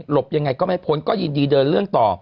บยังไงก็ไม่พ้นก็ยินดีเดินเรื่องต่อ